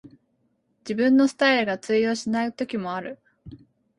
自分のスタイルが通用しない時もある